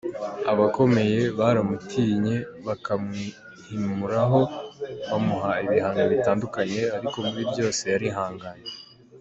Abakomeye baramutinye, bakamwihimuraho bamuha ibihano bitandukanye, ariko muri byose yarihanganye.